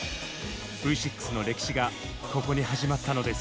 Ｖ６の歴史がここに始まったのです。